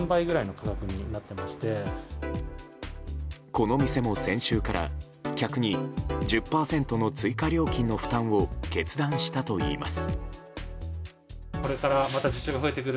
この店も、先週から客に１０％の追加料金の負担を決断したといいます。